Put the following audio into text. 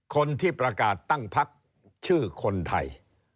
คนที่ประกาศตั้งพักชื่อคนไทย